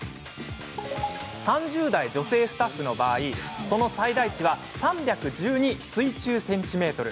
３０代女性スタッフの場合その最大値は３１２水柱センチメートル。